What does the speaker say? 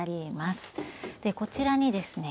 こちらにですね